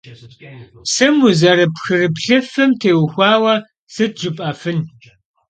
Psım vuzerıpxrıplhıfım têuxuaue sıt jjıp'efın?